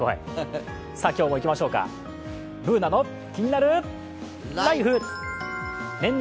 今日もいきましょうか、「ＢｏｏｎａのキニナルＬＩＦＥ」。